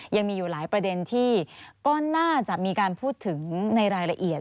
ยังมีอยู่หลายประเด็นที่ก็น่าจะมีการพูดถึงในรายละเอียด